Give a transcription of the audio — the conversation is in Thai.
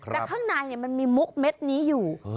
แต่ข้างในมันมีมุกเม็ดนี้อยู่